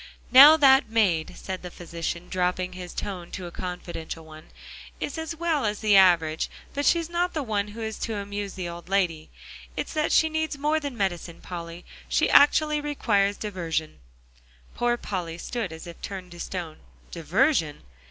"Now that maid," said the physician, dropping his tone to a confidential one, "is as well as the average, but she's not the one who is to amuse the old lady. It's that she needs more than medicine, Polly. She actually requires diversion." Poor Polly stood as if turned to stone. Diversion!